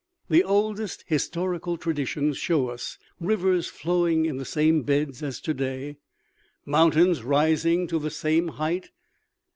The oldest historical traditions show us rivers flowing in the same beds as today, mountains rising to the same height ; and 78 OMEGA.